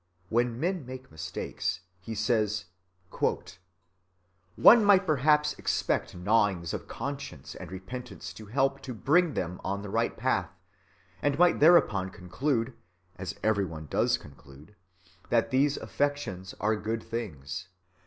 When men make mistakes, he says,— "One might perhaps expect gnawings of conscience and repentance to help to bring them on the right path, and might thereupon conclude (as every one does conclude) that these affections are good things.